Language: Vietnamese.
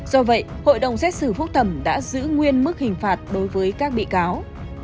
do vậy hội đồng xét xử phúc thẩm đã giữ nguyên mức hình phạt đối với các bị cáo